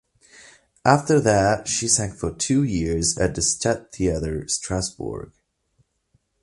After that she sang for two years at the Stadttheater Strasbourg.